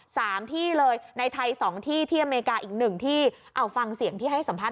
สามที่เลยในไทยสองที่ที่อเมริกาอีกหนึ่งที่เอาฟังเสียงที่ให้สัมภาษ